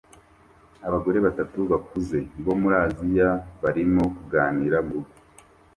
Abagore batatu bakuze bo muri Aziya barimo kuganira murugo